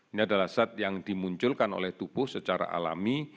ini adalah zat yang dimunculkan oleh tubuh secara alami